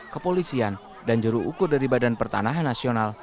kepolisian dan juru ukur dari badan pertanahan nasional